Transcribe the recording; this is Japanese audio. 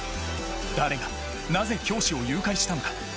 誰がなぜ教師を誘拐したのか。